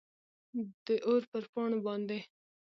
داور پر پاڼو باندي ،